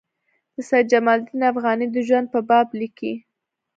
د سید جمال الدین افغاني د ژوند په باب لیکي.